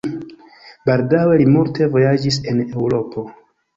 Baldaŭe li multe vojaĝis en Eŭropo.